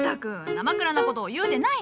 なまくらな事を言うでない！